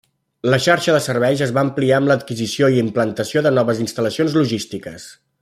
La xarxa de serveis es va ampliar amb l'adquisició i implantació de noves instal·lacions logístiques.